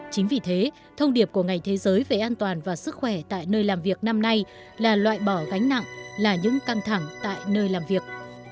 chính vì thế thông điệp của ngày thế giới về an toàn và sức khỏe tại nơi làm việc năm nay là loại bỏ gánh nặng là những căng thẳng tại nơi làm việc